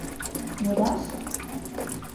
— Модаш?